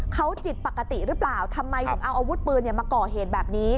เขาจิตปกติหรือเปล่าทำไมถึงเอาอาวุธปืนมาก่อเหตุแบบนี้